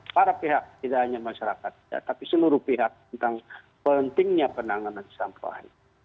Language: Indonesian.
para pihak tidak hanya masyarakat tapi seluruh pihak tentang pentingnya penanganan sampah